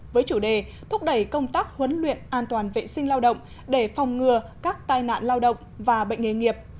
với chủ đề thúc đẩy công tác huấn luyện an toàn vệ sinh lao động để phòng ngừa các tai nạn lao động và bệnh nghề nghiệp